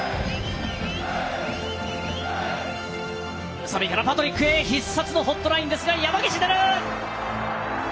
宇佐美からパトリックへ必殺のホットラインですが山岸出る！